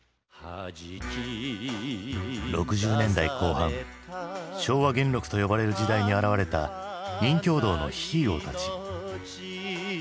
６０年代後半昭和元禄と呼ばれる時代に現れた任侠道のヒーローたち。